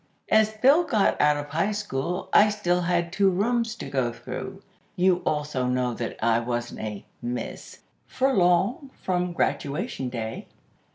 As Bill got out of high school, I still had two rooms to go through. You also know that I wasn't a 'Miss' for long from graduation day.